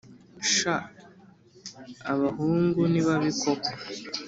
sha abahungu ni babi koko.